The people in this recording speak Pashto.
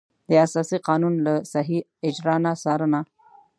د اساسي قانون له صحیح اجرا نه څارنه.